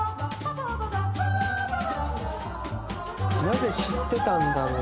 「なぜ知ってたんだろう？」